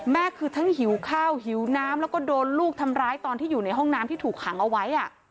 คือทั้งหิวข้าวหิวน้ำแล้วก็โดนลูกทำร้ายตอนที่อยู่ในห้องน้ำที่ถูกขังเอาไว้